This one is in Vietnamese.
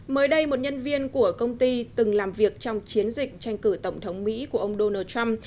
mới đây một nhân viên của công ty từng làm việc trong chiến dịch tranh cử tổng thống mỹ của ông donald trump